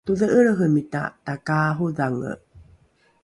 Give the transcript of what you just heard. todhe’elrehemita takaarodhange